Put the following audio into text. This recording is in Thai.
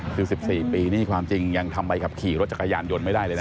คือ๑๔ปีนี่ความจริงยังทำใบขับขี่รถจักรยานยนต์ไม่ได้เลยนะ